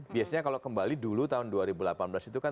biasanya kalau kembali dulu tahun dua ribu delapan belas itu kan